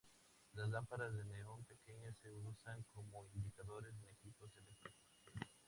Las lámparas de neón pequeñas se usan como indicadores en equipos electrónicos.